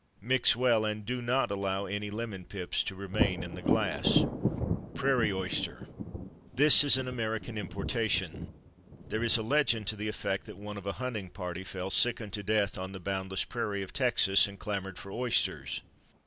Mix well, and do not allow any lemon pips to remain in the glass. Prairie Oyster. This is an American importation. There is a legend to the effect that one of a hunting party fell sick unto death, on the boundless prairie of Texas, and clamoured for oysters.